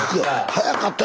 早かった。